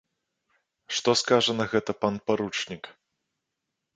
Што скажа на гэта пан паручнік?